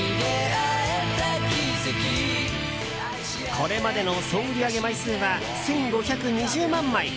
これまでの総売り上げ枚数は１５２０万！